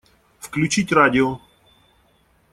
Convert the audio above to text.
Включить радио.